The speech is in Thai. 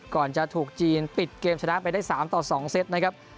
ก่อนจะถูกจีนปิดเกมชนะไปได้๓ต่อ๒เซตนะครับ